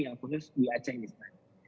aku harus di aceh misalnya